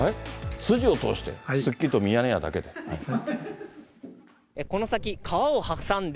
筋を通して、すっきりとミヤネ屋だけで。